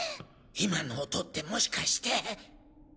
今の音ってもしかして。